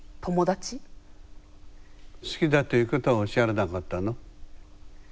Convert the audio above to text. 好きだということはおっしゃらなかったの？